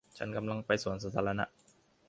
ฉันกำลังไปสวนสาธารณะ